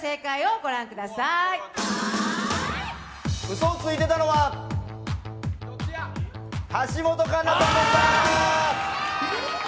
嘘をついてたのは橋本環奈ちゃんでした。